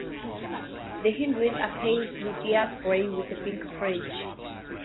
The hindwings are pale luteous grey with a pink fringe.